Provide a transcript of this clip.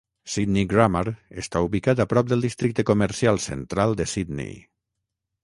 Sydney Grammar està ubicat a prop del districte comercial central de Sydney.